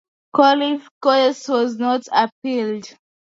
Qualls' case was not appealed.